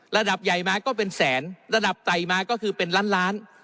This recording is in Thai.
ระดับใหญ่มาก็เป็นแสนระดับไต่มาก็คือเป็นล้านล้าน